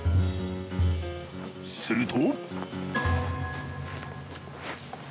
すると。